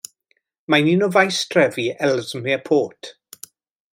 Mae'n un o faestrefi Ellesmere Port.